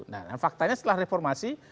nah faktanya setelah reformasi